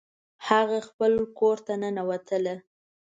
هغه خپل کور ته ننوتله